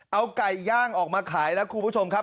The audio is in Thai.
เอาไก่ย่างออกมาขายแล้วคุณผู้ชมครับ